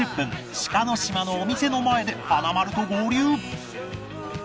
志賀島のお店の前で華丸と合流